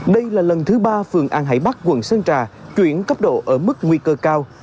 đây là lần thứ ba phường an hải bắc quận sơn trà chuyển cấp độ ở mức nguy cơ cao